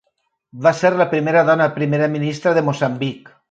Va ser la primera dona Primera Ministra de Moçambic.